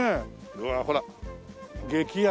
うわあほら激安。